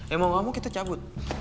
ya mau gak mau kita cabut